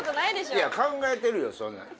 いや考えてるよ